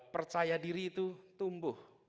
percaya diri itu tumbuh